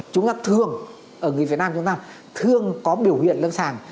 chúng ta thường ở người việt nam chúng ta thường có biểu hiện lâm sàng